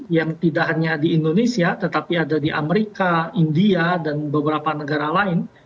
yang tidak hanya di indonesia tetapi ada di amerika india dan beberapa negara lain